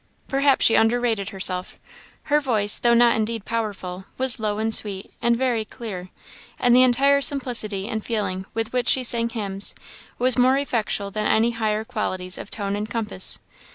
Perhaps she underrated herself: her voice, though not indeed powerful, was low and sweet, and very clear; and the entire simplicity and feeling with which she sang hymns, was more effectual than any higher qualities of tone and compass.